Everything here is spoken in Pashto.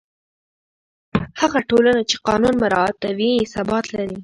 هغه ټولنه چې قانون مراعتوي، ثبات لري.